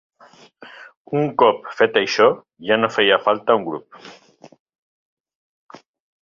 Un cop fet això, ja no feia falta un grup.